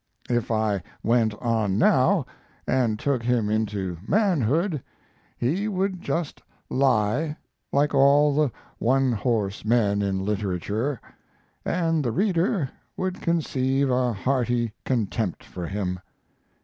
If I went on now, and took him into manhood, he would just lie, like all the one horse men in literature, and the reader would conceive a hearty contempt for him.